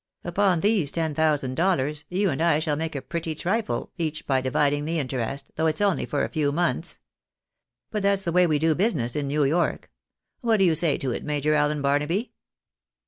Upon these ten thousand dollars, you and I shall make a pretty trifle each by dividing the interest, though it's only for a few months. But that's the way we do business in New York. What do you say to it. Major Allen Barnaby